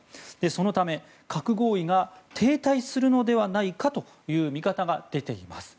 そのため、核合意が停滞するのではないかという見方が出ています。